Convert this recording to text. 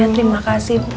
terima kasih bu